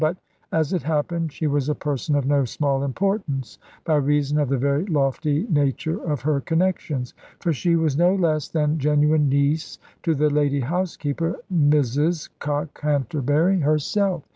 But, as it happened, she was a person of no small importance, by reason of the very lofty nature of her connections: for she was no less than genuine niece to the lady housekeeper Mrs Cockhanterbury herself.